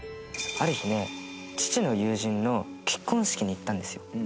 ある日ね父の友人の結婚式に行ったんですよ。